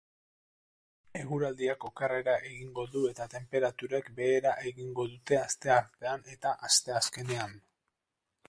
Eguraldiak okerrera egingo du eta tenperaturek behera egingo dute asteartean eta asteazkenean.